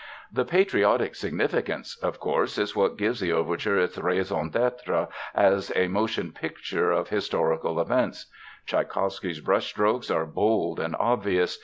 The "patriotic significance," of course, is what gives the overture its raison d'être as a motion picture of historical events. Tschaikowsky's brushstrokes are bold and obvious.